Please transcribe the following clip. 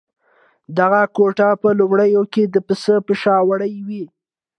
دغه کوټ په لومړیو کې د پسه په شا وړۍ وې.